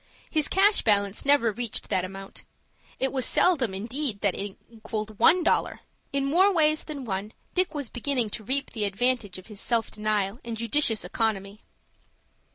His cash balance never reached that amount. It was seldom, indeed, that it equalled one dollar. In more ways than one Dick was beginning to reap the advantage of his self denial and judicious economy.